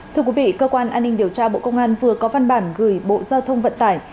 thưa quý vị cơ quan an ninh điều tra bộ công an vừa có văn bản gửi bộ giao thông vận tải